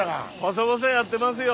細々やってますよ。